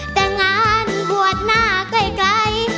แต่งานบวชหน้าไกล